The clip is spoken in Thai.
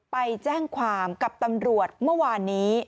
ไปแจ้งความกับตำรวจเมื่อวานนี้